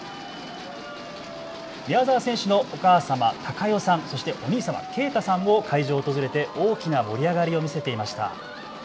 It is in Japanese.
宮澤選手のお母様、貴代さんそしてお兄様、佳汰さんも会場を訪れて大きな盛り上がりを見せていました。